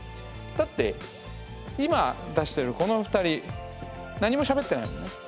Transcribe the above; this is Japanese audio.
だって今出してるこの２人何もしゃべってないもんね。